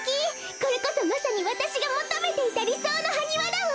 これこそまさにわたしがもとめていたりそうのハニワだわ！